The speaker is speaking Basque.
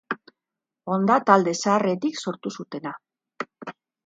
Honda talde zaharretik sortu zutena.